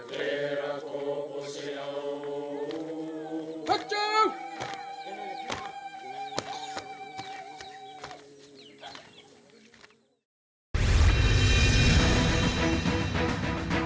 pera komosia pera komosia terima